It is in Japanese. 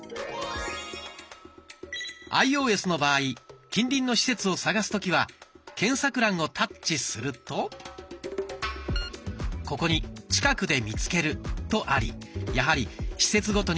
アイオーエスの場合近隣の施設を探す時は検索欄をタッチするとここに「近くで見つける」とありやはり施設ごとに分類されています。